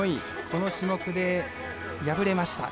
この種目で敗れました。